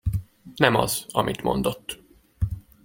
Nem az, amit mondott.